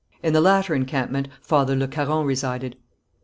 In the latter encampment Father Le Caron resided.